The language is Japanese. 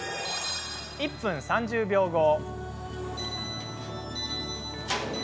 １分３０秒後。